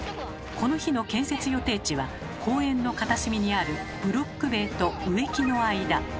この日の建設予定地は公園の片隅にあるブロック塀と植木の間。